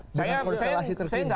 masuk akal nggak bahwa ini sudah final